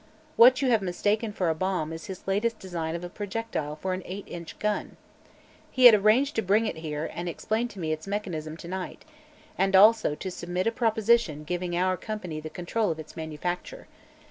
What you have mistaken for a bomb is his latest design of projectile for an eight inch gun. He had arranged to bring it here and explain to me its mechanism to night, and also to submit a proposition giving our company the control of its manufacture.